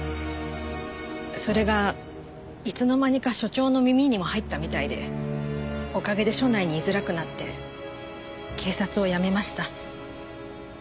それがいつの間にか署長の耳にも入ったみたいでおかげで署内に居づらくなって警察を辞めました。